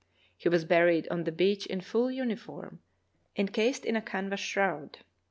He was buried on the beach in full uniform, encased in a canvas shroud.